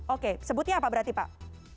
oke sebutnya apa berarti pak